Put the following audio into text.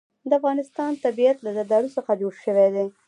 د افغانستان طبیعت له زردالو څخه جوړ شوی دی.